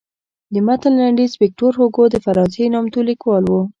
د متن لنډیز ویکتور هوګو د فرانسې نامتو لیکوال و.